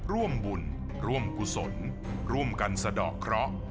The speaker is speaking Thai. ร่วมบุญร่วมกุศลร่วมกันสะดอกเคราะห์